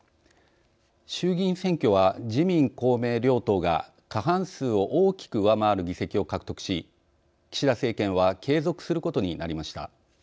衆議院選挙は自民・公明両党が、過半数を大きく上回る議席を獲得し岸田政権は継続することになりました。